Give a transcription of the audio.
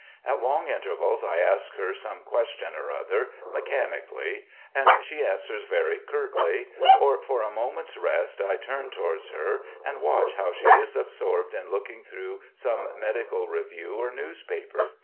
At long intervals I ask her some question or other, mechanically, and she answers very curtly; or, for a moment's rest, I turn towards her and watch how she is absorbed in looking through some medical review or newspaper.